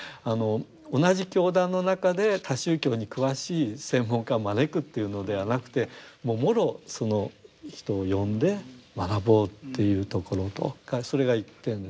同じ教団の中で他宗教に詳しい専門家を招くというのではなくてもろその人を呼んで学ぼうというところそれが一点ですね。